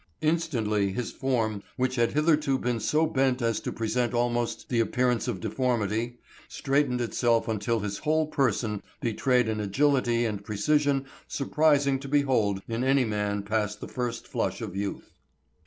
Instantly his form, which had hitherto been so bent as to present almost the appearance of deformity, straightened itself until his whole person betrayed an agility and precision surprising to behold in any man past the first flush of youth.